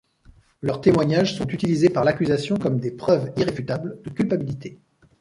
Leurs témoignages sont utilisés par l'accusation comme des preuves irréfutables de culpabilité.